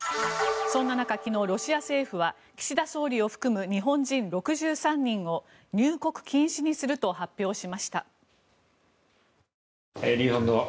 そんな中、昨日、ロシア政府は岸田総理を含む日本人６３人を入国禁止にすると発表しました。